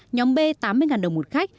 nhóm b tám mươi đồng một khách